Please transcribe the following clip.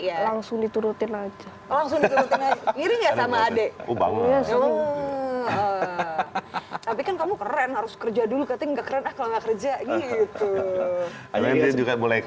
langsung diturutin aja langsung diri sama adik